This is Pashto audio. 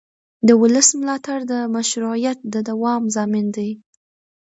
د ولس ملاتړ د مشروعیت د دوام ضامن دی